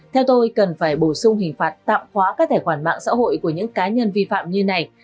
theo tôi cần phải bổ sung hình phạt tạm khóa các tài khoản mạng xã hội của những cá nhân vi phạm như này